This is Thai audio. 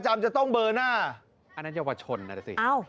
ยาเก็บต้องเก็บให้หน่อยไม่เป็นไร